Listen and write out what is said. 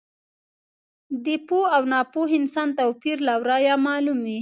د پوه او ناپوه انسان توپیر له ورایه معلوم وي.